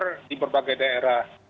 tersebar di berbagai daerah